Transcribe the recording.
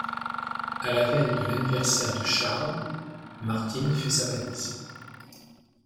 A la veille de l'anniversaire de Charles, Martine fait sa valise.